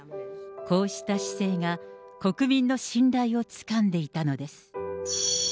こうした姿勢が国民の信頼をつかんでいたのです。